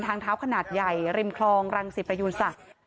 กลางเท้าขนาดใหญ่ริมคลองรังสิบประยุสะ